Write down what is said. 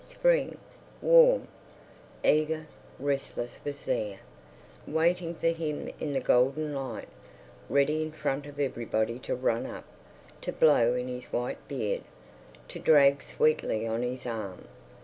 Spring—warm, eager, restless—was there, waiting for him in the golden light, ready in front of everybody to run up, to blow in his white beard, to drag sweetly on his arm.